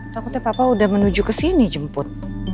takutnya papa udah menuju kesini jemput